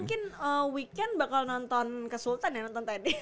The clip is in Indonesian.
mungkin weekend bakal nonton ke sultan ya nonton tadi